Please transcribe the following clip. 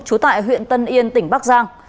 chú tại huyện tân yên tỉnh bắc giang